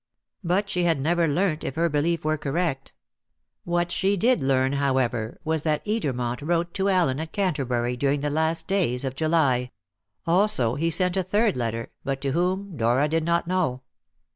But she had never learnt if her belief were correct. What she did learn, however, was that Edermont wrote to Allen at Canterbury during the last days of July; also, he sent a third letter, but to whom Dora did not know.